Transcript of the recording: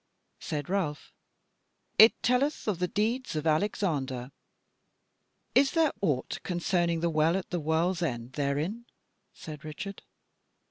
Said Ralph: "It telleth of the deeds of Alexander." "Is there aught concerning the Well at the World's End therein?" said Richard.